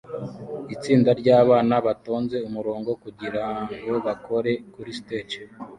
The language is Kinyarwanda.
Itsinda ryabana batonze umurongo kugirango bakore kuri stage